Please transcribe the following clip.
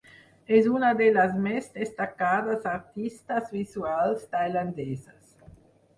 És una de les més destacades artistes visuals tailandeses.